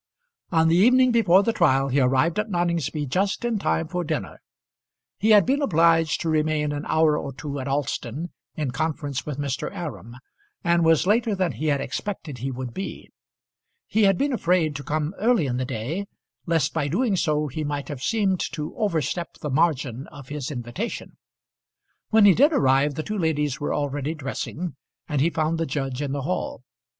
On the evening before the trial he arrived at Noningsby just in time for dinner. He had been obliged to remain an hour or two at Alston in conference with Mr. Aram, and was later than he had expected he would be. He had been afraid to come early in the day, lest by doing so he might have seemed to overstep the margin of his invitation. When he did arrive, the two ladies were already dressing, and he found the judge in the hall.